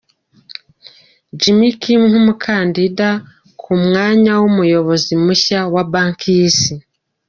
Jim Kim nk’umukandida ku mwanya w’Umuyobozi mushya wa Banki y’Isi.